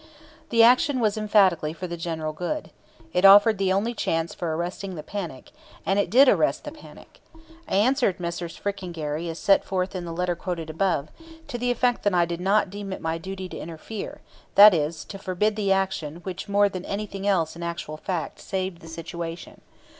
The action was emphatically for the general good. It offered the only chance for arresting the panic, and it did arrest the panic. I answered Messrs. Frick and Gary, as set forth in the letter quoted above, to the effect that I did not deem it my duty to interfere, that is, to forbid the action which more than anything else in actual fact saved the situation.